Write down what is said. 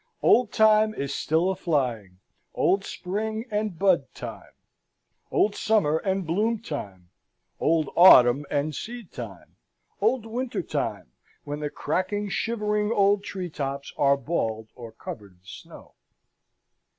Old Time is still a flying. Old spring and bud time; old summer and bloom time; old autumn and seed time; old winter time, when the cracking, shivering old tree tops are bald or covered with snow.